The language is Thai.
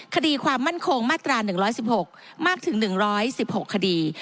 คดีความมั่นคงมาตรา๑๑๖มากถึง๑๑๖คดี